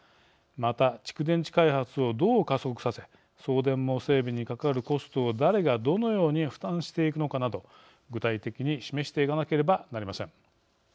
また、蓄電池開発をどう加速させ送電網整備にかかるコストを誰がどのように負担していくのかなど具体的に示していかなければなりません。